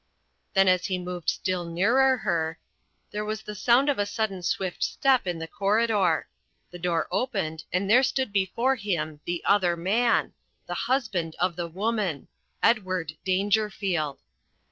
Then as he moved still nearer her, there was the sound of a sudden swift step in the corridor. The door opened and there stood before them The Other Man, the Husband of The Woman Edward Dangerfield.